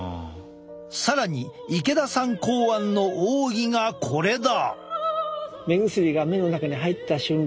更に池田さん考案の奥義がこれだ！